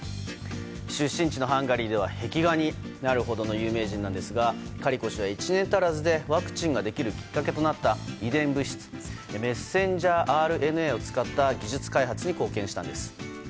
出身地のハンガリーでは壁画になるほどの有名人なんですがカリコ氏は１年足らずでワクチンができるきっかけとなった遺伝物質メッセンジャーＲＮＡを使った技術開発に貢献したんです。